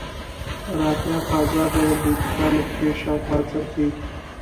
رافعه په ازاد ډول د اتکا نقطې شاوخوا څرخیږي.